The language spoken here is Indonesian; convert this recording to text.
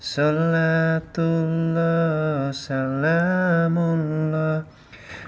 salatullah salamullah ala toha rasulillah